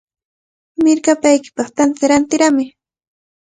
¡Mirkapaykipaq tantata rantiramuy!